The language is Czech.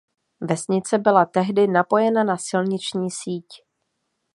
Vesnice byla tehdy napojena na silniční síť.